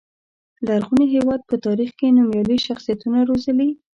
لرغوني هېواد په تاریخ کې نومیالي شخصیتونه روزلي.